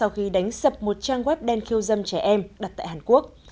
mỹ sập một trang web đen khiêu dâm trẻ em đặt tại hàn quốc